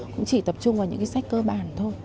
cũng chỉ tập trung vào những cái sách cơ bản thôi